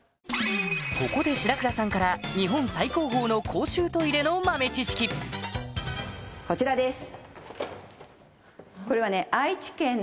ここで白倉さんから日本最高峰の公衆こちらです！